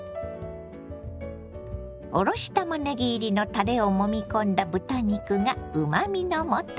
おろしたまねぎ入りのたれをもみ込んだ豚肉がうまみの素。